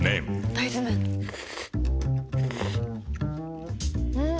大豆麺ん？